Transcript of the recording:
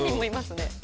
いますね。